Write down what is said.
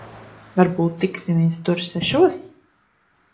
Varbūt tiksimies tur sešos?